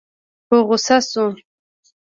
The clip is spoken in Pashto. په غوسه شو.